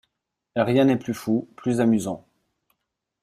Rien n'est plus fou, plus amusant.